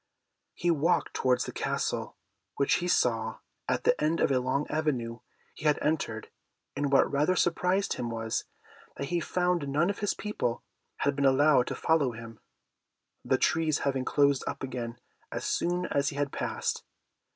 He walked towards the Castle, which he saw at the end of a long avenue he had entered, and what rather surprised him was, that he found none of his people had been able to follow him, the trees having closed up again as soon as he had passed.